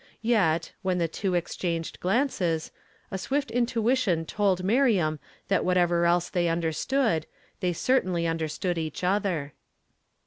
Yet, when the two exchanged glances, a swift intuition told Miriam that whatever else they understood, they certainly understood each other.